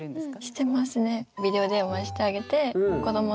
してますね。